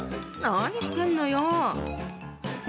何してんのよ？